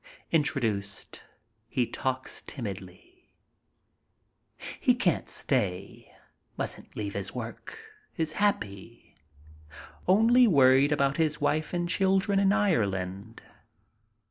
Introduced, he talks timidly. He can't stay, mustn't leave his work. Is happy. Only worried about his wife and children in Ireland.